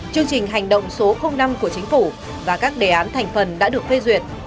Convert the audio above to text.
chương trình hành động số năm của chính phủ và các đề án thành phần đã được phê duyệt